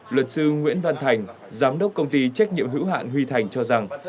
luật sư nguyễn văn thành giám đốc công ty trách nhiệm hữu hạn huy thành cho rằng